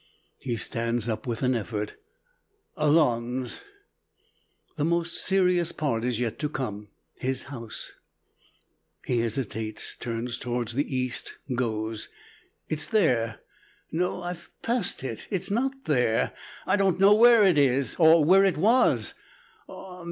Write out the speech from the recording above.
He stands up with an effort "Allons." The most serious part is yet to come. His house He hesitates, turns towards the east, goes. "It's there no, I've passed it. It's not there. I don't know where it is or where it was.